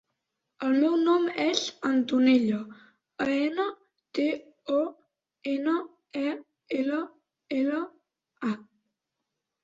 El meu nom és Antonella: a, ena, te, o, ena, e, ela, ela, a.